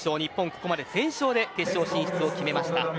ここまで全勝で決勝進出を決めました。